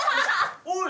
「おい！」。